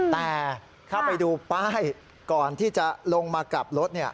แต่ถ้าไปดูป้ายก่อนที่จะลงมากลับรถ